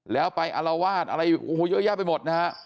แล้วไปอารวาสอะไรโอ้โหเยอะแยะไปหมดนะฮะ